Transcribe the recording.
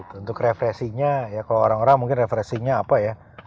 untuk refleksinya ya kalau orang orang mungkin referensinya apa ya